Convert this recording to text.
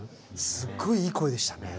すっごいいい声でしたね。